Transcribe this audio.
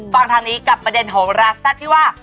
ฟังทางนี้กับประเด็นโหราแซ่บที่ว่า